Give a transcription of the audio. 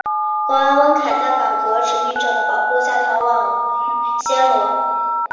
国王温坎在法国殖民者的保护下逃往暹罗。